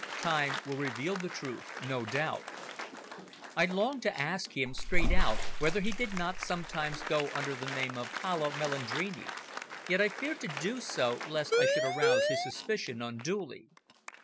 "Time will reveal the truth no doubt." I longed to ask him straight out whether he did not sometimes go under the name of Paolo Melandrini, yet I feared to do so lest I should arouse his suspicion unduly.